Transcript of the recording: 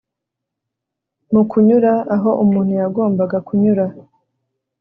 Mu kunyura aho umuntu yagombaga kunyura